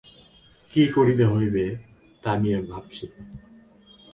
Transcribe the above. কী করতে হবে তাই নিয়ে ভাবছি।